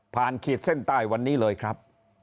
ขีดเส้นใต้วันนี้เลยครับ